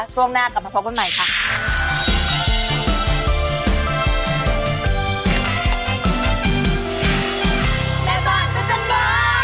ช่วงหน้ากลับมาพบกันใหม่ค่ะ